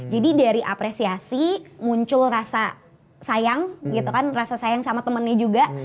jadi dari apresiasi muncul rasa sayang gitu kan rasa sayang sama temennya juga